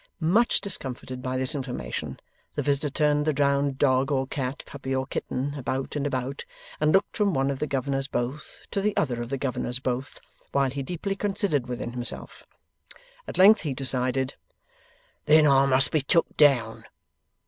Much discomfited by this information, the visitor turned the drowned dog or cat, puppy or kitten, about and about, and looked from one of the Governors Both to the other of the Governors Both, while he deeply considered within himself. At length he decided: 'Then I must be took down.